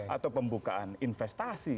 atau pembukaan investasi